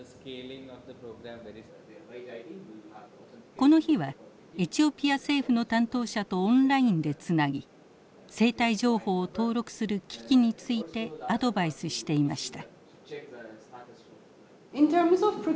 この日はエチオピア政府の担当者とオンラインでつなぎ生体情報を登録する機器についてアドバイスしていました。